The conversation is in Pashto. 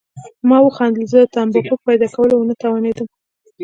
ما وخندل، زه د تمباکو په پیدا کولو ونه توانېدم.